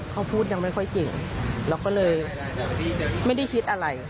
เขาพูดยังไม่ค่อยเก่งเราก็เลยไม่ได้คิดอะไร